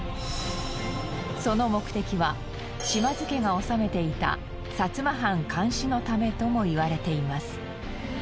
その目的は島津家が治めていた薩摩藩監視のためともいわれています。